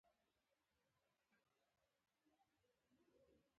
راتلونکو نسلونو ته موثق اطلاعات نه وي.